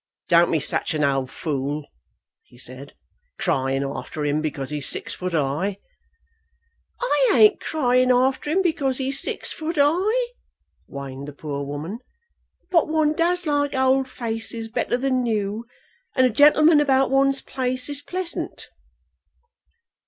"Don't be such an old fool," he said, "crying after him because he's six foot high." "I ain't crying after him because he's six foot high," whined the poor woman; "but one does like old faces better than new, and a gentleman about one's place is pleasant."